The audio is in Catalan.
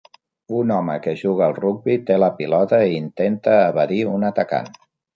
Un home que juga al rugbi té la pilota i intenta evadir un atacant.